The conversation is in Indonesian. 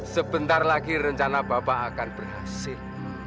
sebentar lagi rencana bapak akan berhasil